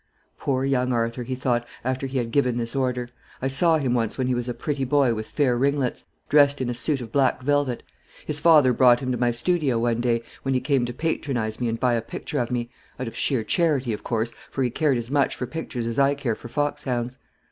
"Poor young Arthur!" he thought, after he had given this order. "I saw him once when he was a pretty boy with fair ringlets, dressed in a suit of black velvet. His father brought him to my studio one day, when he came to patronise me and buy a picture of me, out of sheer charity, of course, for he cared as much for pictures as I care for foxhounds.